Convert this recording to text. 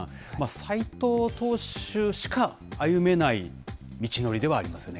斎藤投手しか歩めない道のりではありますよね。